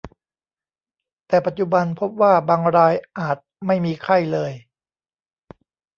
แต่ปัจจุบันพบว่าบางรายอาจไม่มีไข้เลย